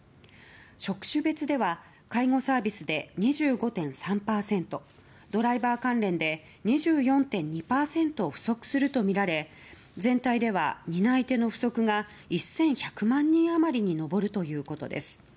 職種別では介護サービスで２５．３％ドライバー関連で２４．２％不足するとみられ全体では、担い手の不足が１１００万人余りに上るということです。